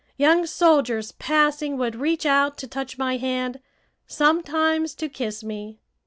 Young soldiers passing would reach out to touch my hand, sometimes to kiss me.